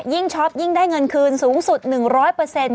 ยิ่งชอปยิ่งได้เงินคืนสูงสุด๑๐๐เปอร์เซ็นต์